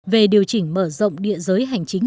về điều chỉnh mở rộng địa giới hành chính